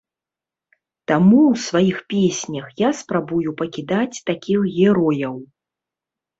Таму ў сваіх песнях я спрабую пакідаць такіх герояў.